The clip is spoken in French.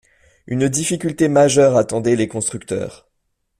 Une difficulté majeure attendait les constructeurs.